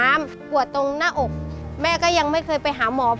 รายการต่อไปนี้เป็นรายการทั่วไปสามารถรับชมได้ทุกวัย